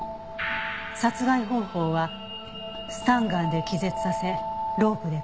殺害方法はスタンガンで気絶させロープで絞殺。